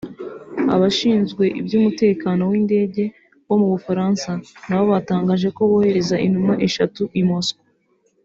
Abashinzwe iby’umutekano w’indege bo mu Bufaransa nabo batangaje ko bohererza intumwa eshatu i Moscou